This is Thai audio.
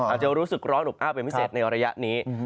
อาจจะรู้สึกร้อนอบอ้าวเป็นพิเศษในระยะนี้